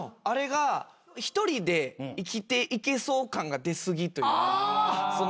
あれが１人で生きていけそう感が出過ぎというか。